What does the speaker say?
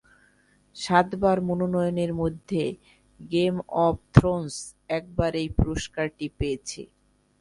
সাতবার মনোনয়নের মধ্যে "game of Thrones" একবার এই পুরস্কারটি পেয়েছে।